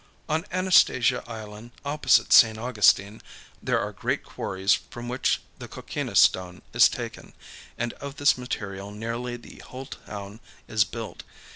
On Anastasia Island, opposite St. Augustine, there are great quarries from which the coquina stone is taken, and of this material nearly the whole town is built.